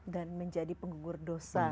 dan menjadi penggugur dosa